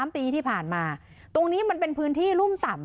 ๓ปีที่ผ่านมาตรงนี้มันเป็นพื้นที่รุ่มต่ำ